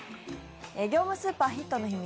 業務スーパー、ヒットの秘密